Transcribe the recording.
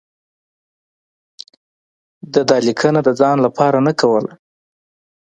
ده دا لیکنه د ځان لپاره نه کوله.